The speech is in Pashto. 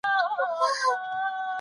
کمپيوټر براېټنس بدلوي.